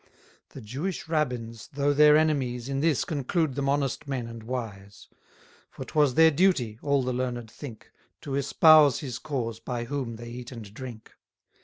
The Jewish rabbins, though their enemies, In this conclude them honest men and wise: For 'twas their duty, all the learned think, To espouse his cause by whom they eat and drink.